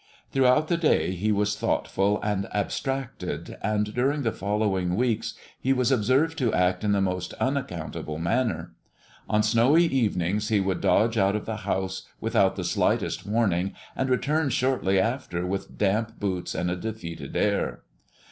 Throughout the day he was thoughtful and abstracted, and during the following weeks he was observed to act in the most unaccountable manner. On snowy evenings he would dodge out of the house without the slightest warning, and return shortly after with damp boots and a defeated air.